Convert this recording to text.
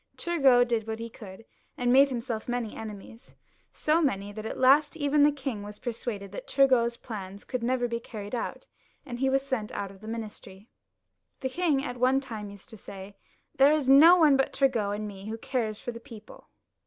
Turgot did what he could, and made himself many enemies, so many that at last even the king was persuaded that Tmv got's plans could never be carried out, and he was sent out of the ministry. The king at one time used to say, " There is no one but Turgot and I who cares, for the people."